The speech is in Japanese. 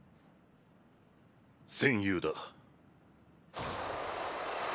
戦友だ。